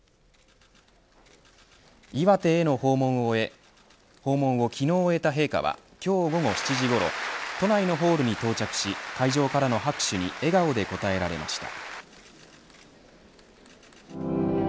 岩手への訪問を昨日終えた陛下は今日午後７時ごろ都内のホールに到着し会場からの拍手に笑顔で応えられました。